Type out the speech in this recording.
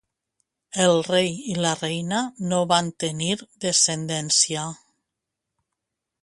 El Rei i la reina no van tenir descendència.